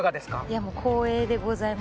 いやもう光栄でございます